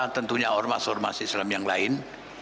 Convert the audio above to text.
tentunya ormas ormas islam yang lain